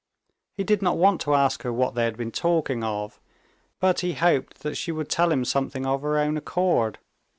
He did not want to ask her what they had been talking of, but he hoped that she would tell him something of her own accord.